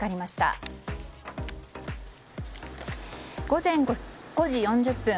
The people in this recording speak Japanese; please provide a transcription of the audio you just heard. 午前５時４０分。